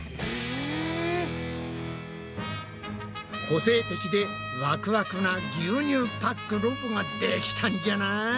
個性的でワクワクな牛乳パックロボができたんじゃない！